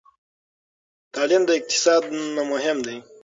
تعلیم د اقتصاد نه مهم دی.